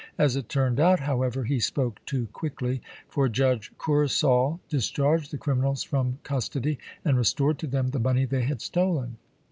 As it turned out, however, he spoke too quickly, for Judge Coursol discharged the criminals from custody and restored to them the money they had stolen.